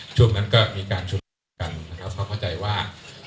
ช่วงนั้นก็มีการชุมนุมกันนะครับเขาเข้าใจว่า